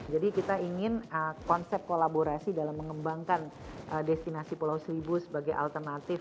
jadi kita ingin konsep kolaborasi dalam mengembangkan destinasi pulau selibu sebagai alternatif